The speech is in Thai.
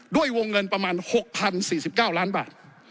ด้วยวงเงินประมาณ๖๐๔๙ล้านบาท